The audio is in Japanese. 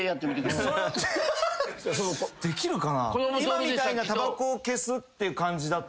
今みたいなたばこを消すって感じだと。